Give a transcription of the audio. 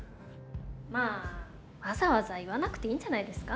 まあわざわざ言わなくていいんじゃないですか？